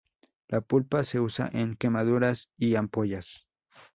La pulpa se usa en quemaduras y ampollas.